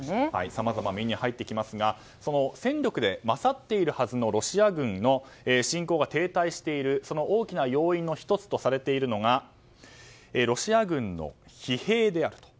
さまざま目に入ってきますが戦力で勝っているはずのロシア軍の侵攻が停滞している大きな要因の１つとされているのがロシア軍の疲弊であると。